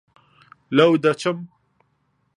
لەو دەچم؟